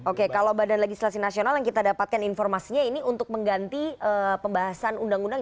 oke kalau badan legislasi nasional yang kita dapatkan informasinya ini untuk mengganti pembahasan undang undang